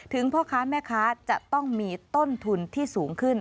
พ่อค้าแม่ค้าจะต้องมีต้นทุนที่สูงขึ้น